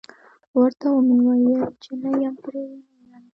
ورته و مې ويل چې نه یم پرې مين.